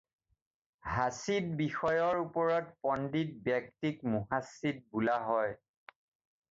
হাদিছ বিষয়ৰ ওপৰত পণ্ডিত ব্যক্তিক মুহাদ্দিছ বোলা হয়।